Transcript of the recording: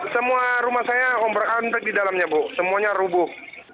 semua rumah saya obrak ontek di dalamnya bu semuanya rubuh